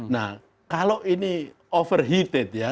nah kalau ini overheated ya